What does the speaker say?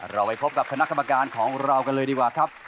เราไปพบกับคณะกรรมการของเรากันเลยดีกว่าครับ